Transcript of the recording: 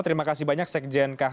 terima kasih banyak sekjen kkh